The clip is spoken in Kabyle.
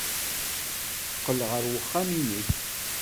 Qqel ɣer uxxam-nnek.